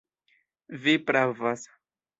Vi pravas.